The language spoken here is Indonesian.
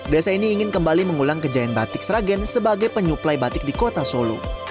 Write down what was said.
desa ini ingin kembali mengulang kejayaan batik sragen sebagai penyuplai batik di kota solo